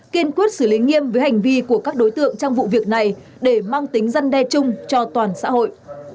kiên quyết xử lý nghiêm với hành vi của các đối tượng trong vụ việc này để mang tính răn đe chung cho toàn xã hội